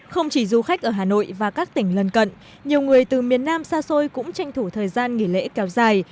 không chỉ du khách ở hà nội và các tỉnh lân cận nhiều người từ miền nam xa xôi cũng tranh thủ thời gian nghỉ lễ kéo dài